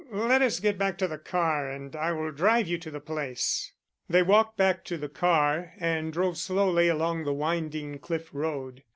"Let us get back to the car and I will drive you to the place." They walked back to the car and drove slowly along the winding cliff road.